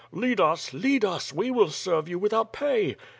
"Lead us, lead us; we wil serve you without pay."